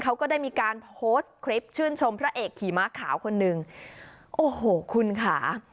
เขาก็ได้มีการโพสต์คลิปชื่นชมพระเอกขี่ม้าขาวคนหนึ่งโอ้โหคุณค่ะ